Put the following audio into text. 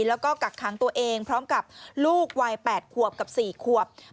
แล้วก็กักขังตัวเองพร้อมกับลูกวัย๘ขวบกับ๔ขวบ